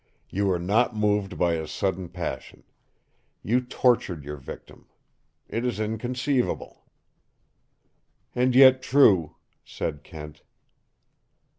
You were not moved by a sudden passion. You tortured your victim. It is inconceivable!" "And yet true," said Kent.